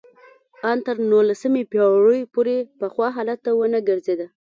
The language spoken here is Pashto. ان تر نولسمې پېړۍ پورې پخوا حالت ته ونه ګرځېده